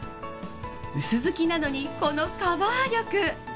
薄付きなのにこのカバー力。